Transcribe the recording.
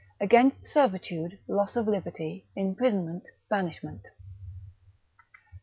Against Servitude, Loss of Liberty, Imprisonment, Banishment.